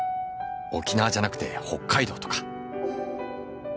「沖縄じゃなくて北海道とか」